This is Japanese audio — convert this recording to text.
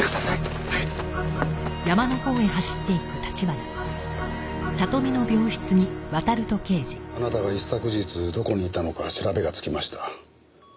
あなたが一昨日どこにいたのか調べがつきました。